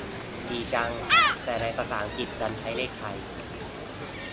ดีจัง แต่ในภาษาอังกฤษดันใช้เลขไทย